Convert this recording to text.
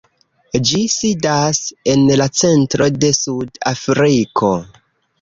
Ĝi sidas en la centro de Sud-Afriko.